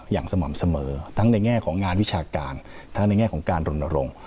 อย่างสม่ำเสมอทั้งในแง่ของงานวิชาการทั้งในแง่ของการรณรงค์